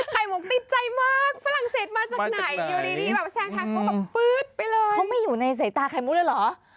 ไข่มกติดใจมากฝรั่งเศสมาจากไหนอยู่ดีแสงทางเขาก็แบบปื๊ดไปเลย